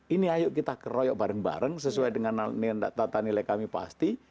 ini ayo kita keroyok bareng bareng sesuai dengan tata nilai kami pasti